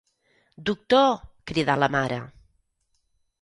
Doctor! –cridà la mare.